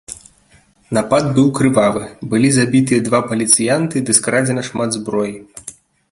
Напад быў крывавы, былі забітыя два паліцыянты ды скрадзена шмат зброі.